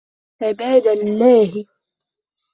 عِبَادَ اللَّهِ